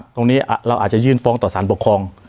ตรงนี้เราอาจจะยื่นฟ้องต่อสารปกครอง